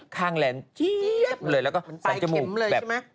ขางแหลมเจี๊ยบเลยแล้วก็สันจมูกแบบ